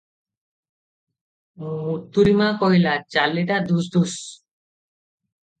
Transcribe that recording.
ମୁତୁରୀମା କହିଲା, ଚାଲିଟା ଧସ୍ ଧସ୍ ।